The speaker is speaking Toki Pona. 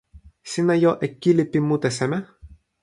sina jo e kili pi mute seme?